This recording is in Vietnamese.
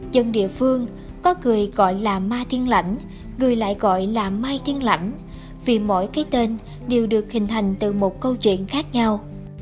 dân địa phương có người gọi là ma thiên lãnh người lại gọi là mai thiên lãnh vì mỗi cái tên đều được hình thành từ một câu chuyện khác nhau